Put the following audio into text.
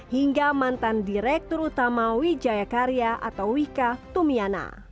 hingga mantan direktur utama wijaya karya atau wika tumiana